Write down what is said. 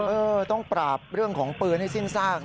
เออต้องปราบเรื่องของปืนให้สิ้นซาก